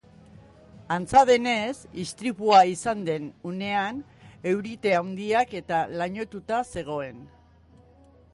Antza denez, istripua izan den unean eurite handiak eta lainotuta zegoen.